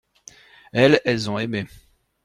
Elles, elles ont aimé.